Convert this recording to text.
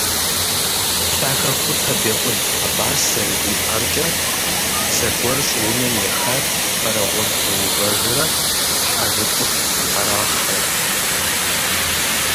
Лъахэхутэ Бекъул Хьэбас зэрыжиӀэмкӀэ, зэгуэр щӀыунэм ехат Бэрэгъун Теувэжрэ ХьэжыкӀуш Арахърэ.